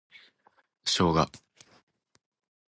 ショウガ